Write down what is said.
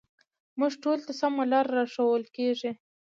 موږ ټولو ته سمه لاره راښوول کېږي